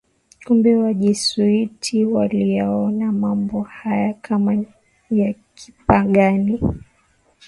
Kumbe Wajesuiti waliyaona mambo haya kama ni ya Kipagani